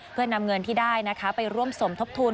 เพื่อนำเงินที่ได้นะคะไปร่วมสมทบทุน